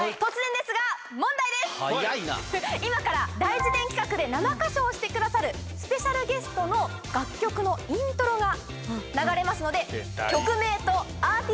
今から『大辞テン』企画で生歌唱してくださるスペシャルゲストの楽曲のイントロが流れますので。